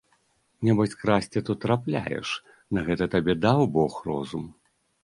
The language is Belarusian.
Нябось красці то трапляеш, на гэта табе даў бог розум!